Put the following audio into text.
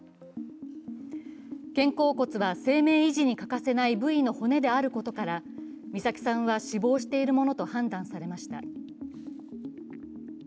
肩甲骨は生命維持に欠かせない部位の骨であることから美咲さんは死亡しているものと判断されました。